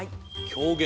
狂言。